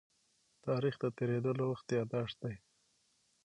تاریخ د تېرېدلو وخت يادښت دی.